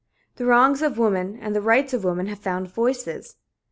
The wrongs of woman and the rights of woman have found voices.